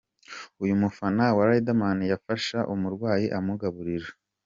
Uyu mufana wa Riderman yafasha umurwayi amugaburira.